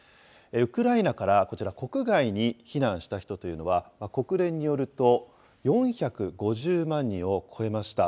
ウクライナからこちら、国外に避難した人というのは、国連によると、４５０万人を超えました。